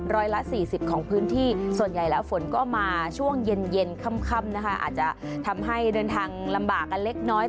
ร้อยละ๔๐ของพื้นที่ส่วนใหญ่แล้วฝนก็มาช่วงเย็นค่ำนะคะอาจจะทำให้เดินทางลำบากกันเล็กน้อย